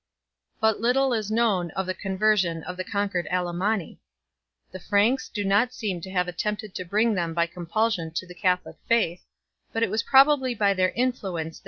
But little is known of the conversion of the conquered Allemanni. The Franks do not seem to have attempted to bring them by compulsion to the Catholic faith, but it was probably by their influence that it was diffused in 1 Gregory of Tours, Hist.